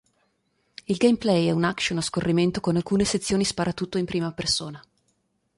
Il gameplay è un action a scorrimento con alcune sezioni sparatutto in prima persona.